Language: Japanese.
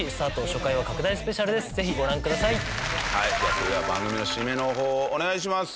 それでは番組の締めの方をお願いします！